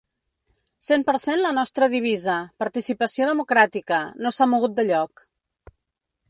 Cent per cent La nostra divisa, participació democràtica, no s’ha mogut de lloc.